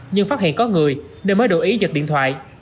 nhưng phát hiện có người nên mới đồng ý giật điện thoại